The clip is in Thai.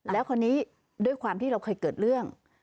แล้วคราวนี้ด้วยความที่เราเคยเกิดเรื่อง